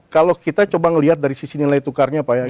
kalau kita coba melihat dari sisi nilai tukarnya pak ya